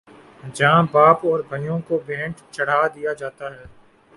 جہاں باپ اور بھائیوں کو بھینٹ چڑھا دیا جاتا ہے۔